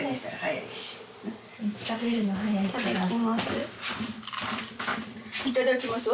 いただきます。